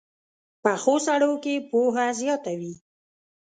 پخو سړو کې پوهه زیاته وي